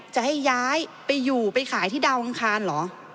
จะให้ย้ายไปอยู่ไปขายที่ดาวอังคารเหรอ